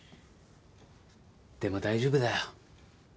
でも大丈夫だよ。